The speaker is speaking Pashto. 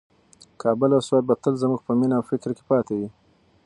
کابل او سوات به تل زموږ په مینه او فکر کې پاتې وي.